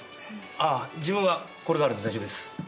あっ自分はこれがあるんで大丈夫です。